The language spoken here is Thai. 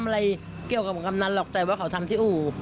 อะไรเกี่ยวกับกำนันหรอกแต่ว่าเขาทำที่อู่